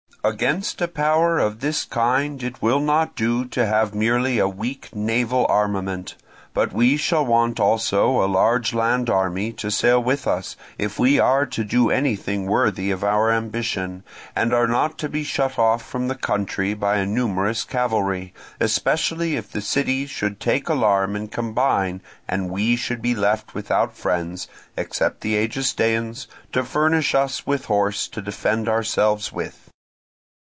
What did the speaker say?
"Against a power of this kind it will not do to have merely a weak naval armament, but we shall want also a large land army to sail with us, if we are to do anything worthy of our ambition, and are not to be shut out from the country by a numerous cavalry; especially if the cities should take alarm and combine, and we should be left without friends (except the Egestaeans) to furnish us with horse to defend ourselves with.